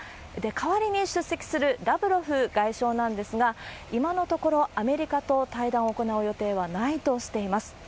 代わりに出席するラブロフ外相なんですが、今のところ、アメリカと対談を行う予定はないとしています。